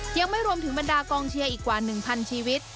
ยังไม่รวมถึงบรรดากองเชียร์อีกกว่า๑๐๐ชีวิต